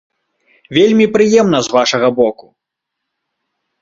Вельмі прыемна з вашага боку!